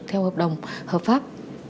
theo hợp đồng hợp pháp